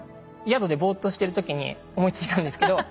宿でボーッとしてる時に思いついたんですけど。